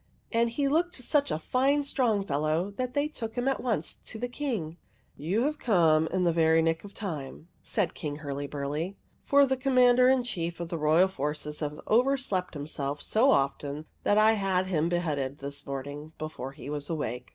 And he looked such a fine strong fellow, that they took him at once to the King. ^" You have come in the very nick of time,'' said King Hurlyburly, "for the Commander in Chief of the royal forces has overslept him self so often that I had him beheaded this morning before he was awake.